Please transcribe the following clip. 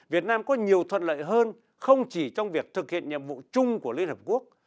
việt nam có nhiều thuận lợi hơn không chỉ trong việc thực hiện nhiệm vụ chung của liên hợp quốc